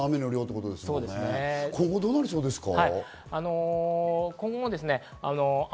今後どうなりそうですか？